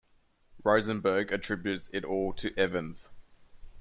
Rosenberg attributes "it all" to Evans.